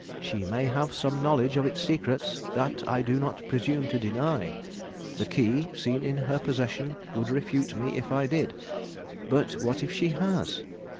She may have some knowledge of its secrets; that I do not presume to deny. The key seen in her possession would refute me if I did. But what if she has?